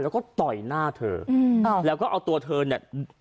แล้วก็ต่อยหน้าเธอแล้วก็เอาตัวเธอเนี่ย